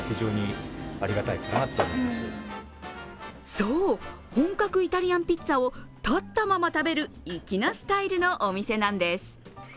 そう、本格イタリアンピッツァを立ったまま食べる粋なスタイルのお店なんです。